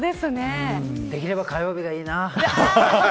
できれば火曜日がいいな。